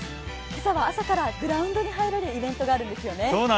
今朝は朝からグラウンドに入れるイベントがあるんですよね？